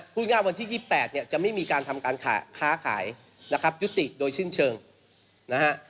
พูดง่ายวันที่๒๘เนี่ยจะไม่มีการทำการค้าขายนะครับยุติโดยสิ้นเชิงนะฮะ